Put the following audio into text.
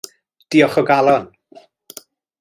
Diolch o galon.